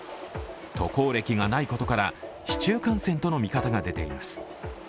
渡航歴がないことから、市中感染との見方が出ています。